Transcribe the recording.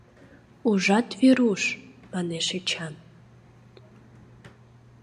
Ужат, Веруш, — манеш Эчан.